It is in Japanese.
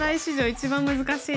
一番難しい！